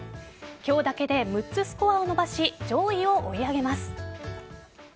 今日だけで６つスコアを伸ばし上位を追い上げます。